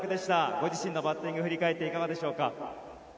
ご自身のバッティングを振り返っていかがでしょうか。